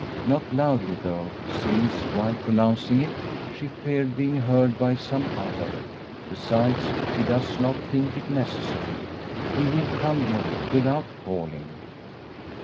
Not loudly though; since, while pronouncing it, she feared being heard by some other. Besides, she does not think it necessary; he will come yet, without calling.